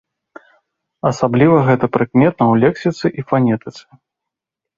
Асабліва гэта прыкметна ў лексіцы і фанетыцы.